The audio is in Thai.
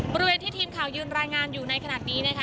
บริเวณที่ทีมข่าวยืนรายงานอยู่ในขณะนี้นะคะ